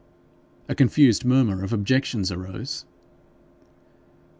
A confused murmur of objections arose.